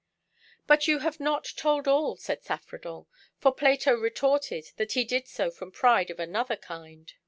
'" "But you have not told all," said Saffredent, "for Plato retorted that he did so from pride of another kind."